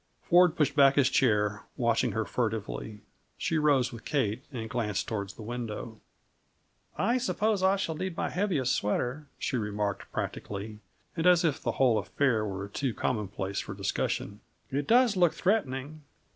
Ford pushed back his chair, watching her furtively. She rose with Kate, and glanced toward the window. "I suppose I shall need my heaviest sweater," she remarked practically, and as if the whole affair were too commonplace for discussion. "It does look threatening.